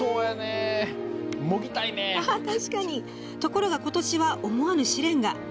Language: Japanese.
ところが今年は思わぬ試練が。